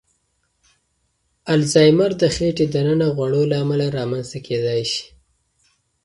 الزایمر د خېټې دننه غوړو له امله رامنځ ته کېدای شي.